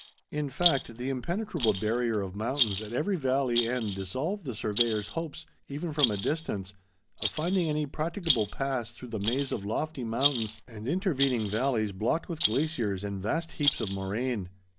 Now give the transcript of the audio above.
In fact, the impenetrable barrier of mountains at every valley end dissolved the surveyor's hopes, even from a distance, of finding any practicable pass through the maze of lofty mountains and intervening valleys blocked with glaciers and vast heaps of moraine.